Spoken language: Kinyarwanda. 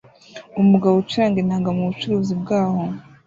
Umugabo ucuranga inanga mubucuruzi bwaho